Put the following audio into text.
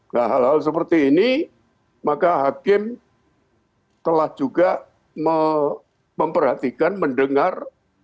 nah hal hal seperti ini maka hakim telah juga memperhatikan mendengar